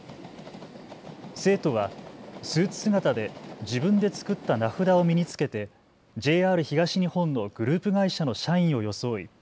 生徒はスーツ姿で自分で作った名札を身につけてＪＲ東日本のグループ会社の社員を装い